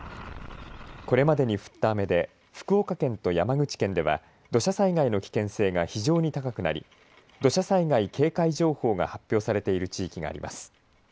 これまでに降った雨で福岡県と山口県では土砂災害の危険性が非常に高くなり土砂災害警戒情報が発表されている地域があります。